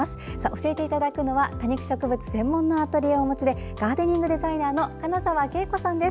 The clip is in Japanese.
教えていただくのは多肉植物専門のアトリエをお持ちでガーデニングデザイナーの金沢啓子さんです。